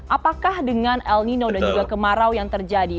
apakah dengan el nino dan juga kemarau yang terjadi